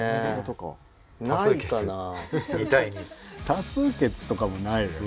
多数決とかもないね。